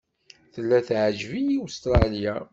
Tella teɛǧeb-iyi Ustṛalya.